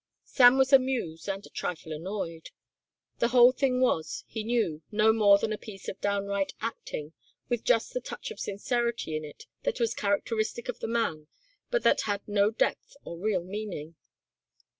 Sam was amused and a trifle annoyed. The whole thing was, he knew, no more than a piece of downright acting with just the touch of sincerity in it that was characteristic of the man but that had no depth or real meaning.